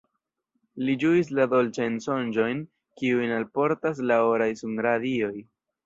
Li ĝuis la dolĉajn sonĝojn, kiujn alportas la oraj sunradioj.